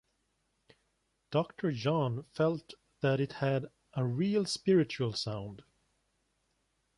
Doctor John felt that it had "a real spiritual sound".